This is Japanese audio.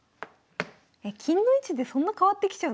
え金の位置でそんな変わってきちゃうんですね。